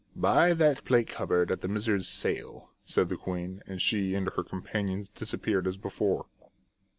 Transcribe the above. " Buy that plate cupboard at the miser's sale," said the queen, and she and her companions disappeared as before.